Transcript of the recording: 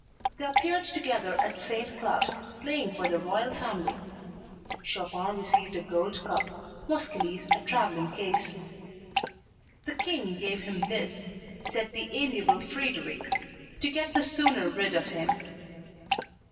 They appeared together at St. Cloud, playing for the royal family. Chopin received a gold cup, Moscheles a travelling case. "The King gave him this," said the amiable Frederic, "to get the sooner rid of him."